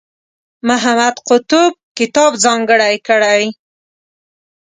محمد قطب کتاب ځانګړی کړی.